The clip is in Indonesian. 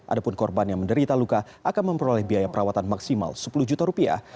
ada pun korban yang menderita luka akan memperoleh biaya perawatan maksimal sepuluh juta rupiah